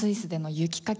雪かき。